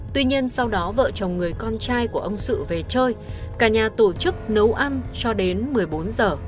tuy nhiên sau đó vợ chồng người con trai của ông sự về chơi cả nhà tổ chức nấu ăn cho đến một mươi bốn giờ